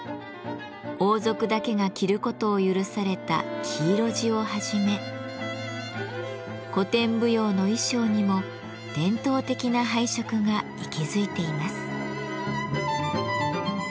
王族だけが着ることを許された黄色地をはじめ古典舞踊の衣装にも伝統的な配色が息づいています。